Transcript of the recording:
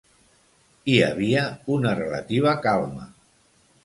Hi havia una relativa calma.